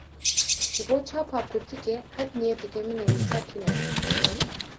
Ji bo çapa pirtûkê, qet niyetekî min ê wisa tuneye